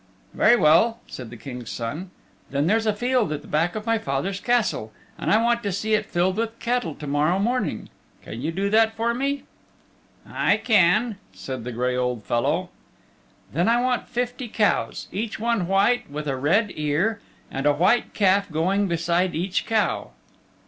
"Very well," said the King's Son. "Then there's a field at the back of my father's Castle and I want to see it filled with cattle to morrow morning. Can you do that for me?" "I can," said the gray old fellow. "Then I want fifty cows, each one white with a red ear, and a white calf going beside each cow."